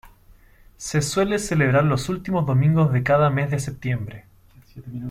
Se suele celebrar los últimos domingos de cada mes de septiembre.